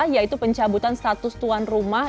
yaitu pencabutan status tuan rumah